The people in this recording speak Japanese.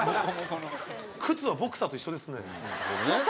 靴はボクサーと一緒ですね。